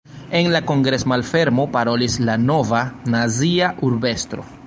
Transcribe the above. En la kongres-malfermo parolis la nova, nazia urb-estro.